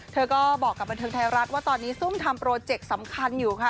เธอก็บอกกับบันเทิงไทยรัฐว่าตอนนี้ซุ่มทำโปรเจกต์สำคัญอยู่ค่ะ